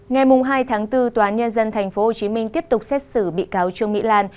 ngày hai tháng bốn tòa án nhân dân tp hcm tiếp tục xét xử bị cáo trương mỹ lan